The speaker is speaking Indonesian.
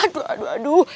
aduh aduh aduh